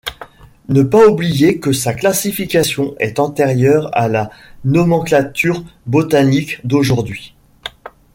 Ne pas oublier que sa classification est antérieure à la nomenclature botanique d'aujourd'hui.